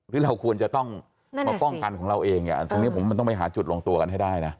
ที่เราควรจะต้องมาป้องกันของเราเองตรงนี้ผมมันต้องไปหาจุดลงตัวกันให้ได้นะ